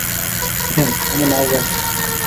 হ্যাঁ, আমি নার্ভাস।